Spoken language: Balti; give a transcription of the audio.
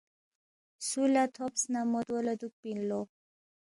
سُو لہ تھوبس نہ مو دو لہ دُوکپی اِن لو